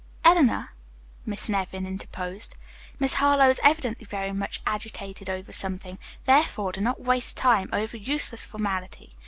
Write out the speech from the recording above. "Eleanor," Miss Nevin interposed, "Miss Harlowe is evidently very much agitated over something, therefore do not waste time over useless formality.